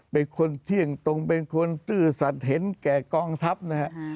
เป็นคนเที่ยงตรงเป็นคนซื่อสัตว์เห็นแก่กองทัพนะฮะ